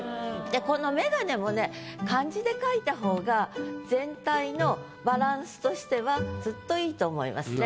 でこの「メガネ」もね漢字で書いた方が全体のバランスとしてはずっと良いと思いますね。